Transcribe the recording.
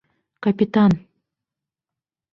Капитан!